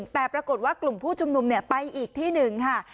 แต่ปรากฏว่ากลุ่มผู้ชุมนุมเนี่ยไปอีกที่๑ค่ะ